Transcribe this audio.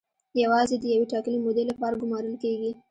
یوازې د یوې ټاکلې مودې لپاره ګومارل کیږي.